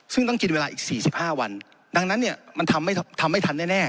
ซึ่งต้องกินเวลาอีก๔๕วันดังนั้นเนี่ยมันทำไม่ทันแน่